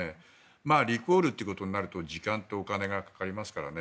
リコールということになると時間とお金がかかりますからね。